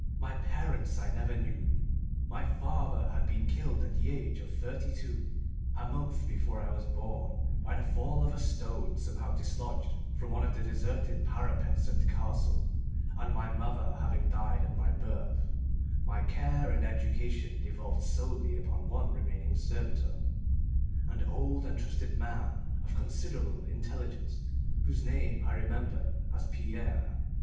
My parents I never knew. My father had been killed at the age of thirty two, a month before I was born, by the fall of a stone somehow dislodged from one of the deserted parapets of the castle, and my mother having died at my birth, my care and education devolved solely upon one remaining servitor, an old and trusted man of considerable intelligence, whose name I remember as Pierre.